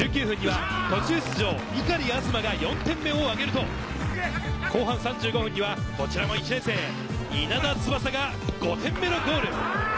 １９分には途中出場、碇明日麻が４点目をあげると、後半３５分にはこちらも１年生・稲田翼が５点目のゴール。